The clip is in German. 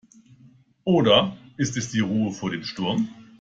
Oder ist es die Ruhe vor dem Sturm?